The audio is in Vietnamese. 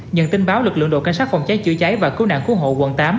nhận tin báo lực lượng đội cảnh sát phòng cháy chữa cháy và cứu nạn cứu hộ quận tám